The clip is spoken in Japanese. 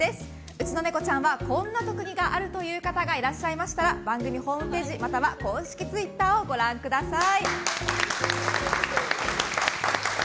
うちのネコちゃんはこんな特技があるという方がいらっしゃいましたら番組ホームページまたは公式ツイッターをご覧ください。